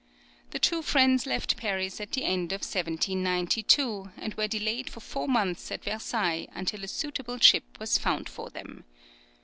The two friends left Paris at the end of 1792, and were delayed for four months at Versailles, until a suitable ship was found for them.